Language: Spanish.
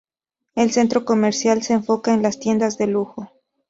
El centro comercial se enfoca en las tiendas de lujo.